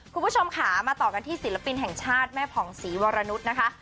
คุณผู้ชมค่ะมาต่อกันที่ศิลปินแห่งชาติแม่ผ่องศรีวรนุษย์นะคะ